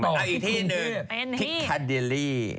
อีกที่หนึ่งพิคาเดรี่